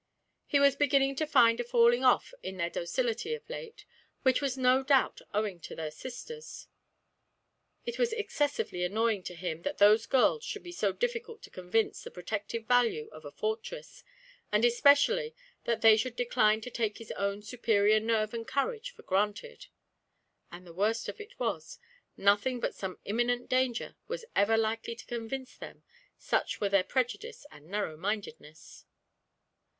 He was beginning to find a falling off in their docility of late, which was no doubt owing to their sisters; it was excessively annoying to him that those girls should be so difficult to convince of the protective value of a fortress, and especially that they should decline to take his own superior nerve and courage for granted. And the worst of it was, nothing but some imminent danger was ever likely to convince them, such were their prejudice and narrow mindedness.